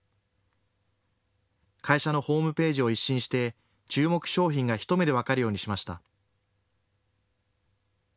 会社のホームページを一新して注目商品が一目で分かるようにしました。